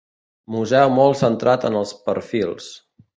Museu molt centrat en els perfils.